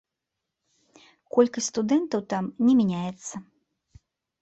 Колькасць студэнтаў там не мяняецца.